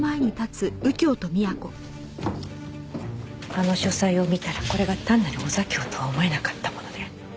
あの書斎を見たらこれが単なるお座興とは思えなかったもので。